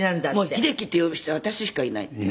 「もう英樹って呼ぶ人私しかいないって」